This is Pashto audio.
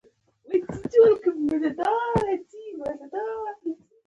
د کازی بخاری څخه استفاده د مرګ خطر لری